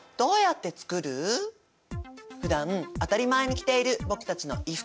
ふだん当たり前に着ている僕たちの衣服